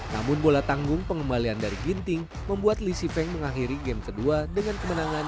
namun bola tanggung pengembalian dari ginting membuat lisi feng mengakhiri game kedua dengan kemenangan dua puluh satu tujuh belas